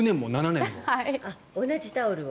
同じタオルを。